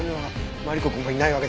マリコくんもいないわけだし。